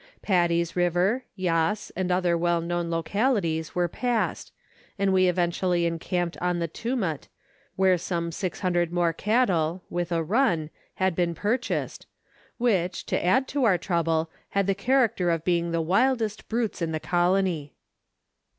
Paddy's River, Yass, and other well known localities were passed, and we eventually encamped on the Tumut, where some 600 more cattle (with a run) had been purchased, which, to add to our trouble, had the character of being the wildest brutes in the colony.